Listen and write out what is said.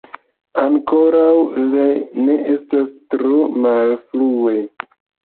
Ankoraŭ ne estas tro malfrue!